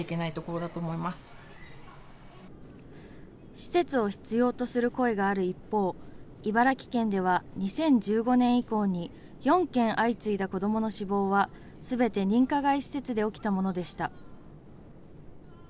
施設を必要とする声がある一方、茨城県では２０１５年以降に４件相次いだ子どもの死亡はすべて認可外施設で起きたものでした。